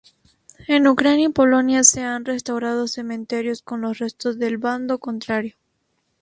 En Ucrania y Polonia se han restaurado cementerios con los restos del bando contrario.